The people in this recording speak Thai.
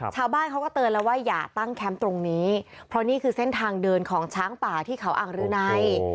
ชาวบ้านเขาก็เตือนแล้วว่าอย่าตั้งแคมป์ตรงนี้เพราะนี่คือเส้นทางเดินของช้างป่าที่เขาอ่างรืนัย